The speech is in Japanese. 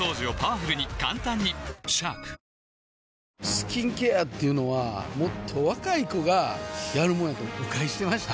スキンケアっていうのはもっと若い子がやるもんやと誤解してました